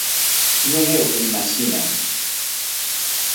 Non é o que imaxinan.